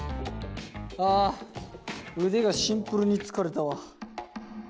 あ腕がシンプルに疲れたわ。